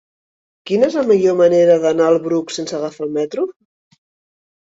Quina és la millor manera d'anar al Bruc sense agafar el metro?